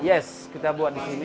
yes kita buat di sini